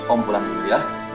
om pulang dulu ya